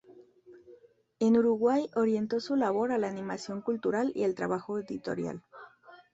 En Uruguay, orientó su labor a la animación cultural y al trabajo editorial.